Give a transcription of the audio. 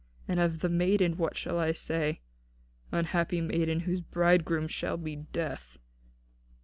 And of the maiden, what shall I say? Unhappy maiden whose bridegroom shall be Death!